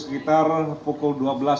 sekitar pukul dua belas dua puluh lima